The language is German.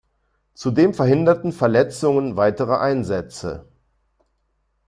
Zudem verhinderten Verletzungen weitere Einsätze.